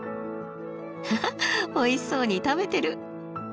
ハハッおいしそうに食べてる。